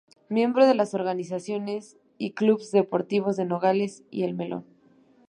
Miembro de las organizaciones y clubes deportivos de Nogales y El Melón.